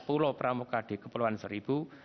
pulau pramuka di kepulauan seribu